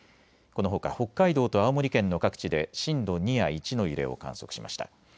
このほか北海道と青森県の各地で震度２や１の揺れを観測しました。